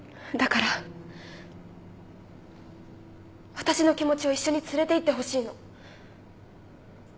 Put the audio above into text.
私の気持ちを一緒に連れていってほしいの。